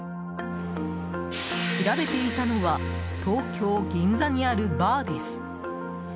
調べていたのは東京・銀座にあるバーです。